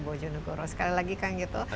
bojonegoro sekali lagi kang gitu